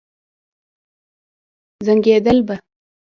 زنګېدل به.